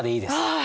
あ。